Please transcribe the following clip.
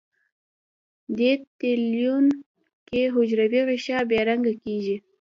دې تلوین کې حجروي غشا بې رنګه کیږي.